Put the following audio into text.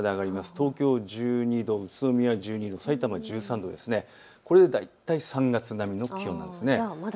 東京１２度、宇都宮１２度、さいたま１３度、これは大体３月並みの気温です。